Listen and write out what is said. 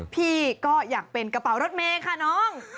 พี่ก็อยากเป็นกระเป๋ารถเมย์ค่ะน้อง